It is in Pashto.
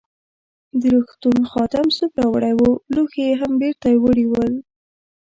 د روغتون خادم سوپ راوړی وو، لوښي يې هم بیرته وړي ول.